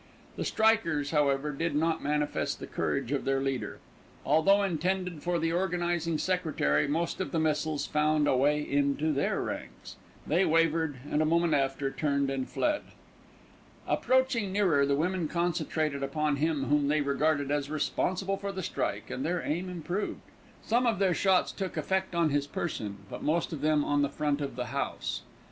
The strikers, however, did not manifest the courage of their leader. Although intended for the organising secretary, most of the missiles found a way into their ranks. They wavered and, a moment after, turned and fled. Approaching nearer, the women concentrated upon him whom they regarded as responsible for the strike, and their aim improved. Some of their shots took effect on his person, but most of them on the front of the house.